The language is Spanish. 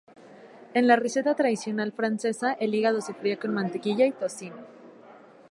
En la receta tradicional francesa el hígado se fríe con mantequilla y tocino.